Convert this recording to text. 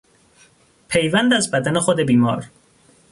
پیوند از بدن خود بیمار